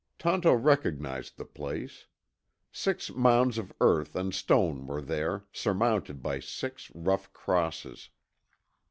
Tonto recognized the place. Six mounds of earth and stone were there, surmounted by six rough crosses.